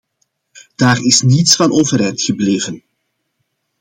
Daar is niets van overeind gebleven.